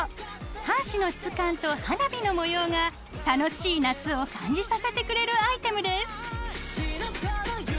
半紙の質感と花火の模様が楽しい夏を感じさせてくれるアイテムです。